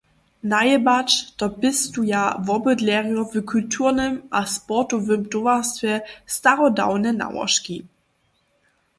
Najebać to pěstuja wobydlerjo w kulturnym a sportowym towarstwje starodawne nałožki.